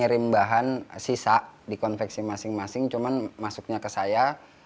ngirim bahan sisa di konveksi masing masing cuman masuknya ke saya